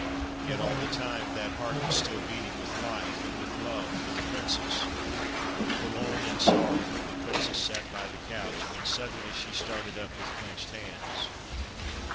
Yet, all the time, that heart was still beating with life, and with love for the Princess. Forlorn and sorrowful the Princess sat by the couch, when suddenly she started up with clenched hands.